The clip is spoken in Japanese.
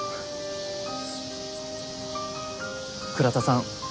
倉田さん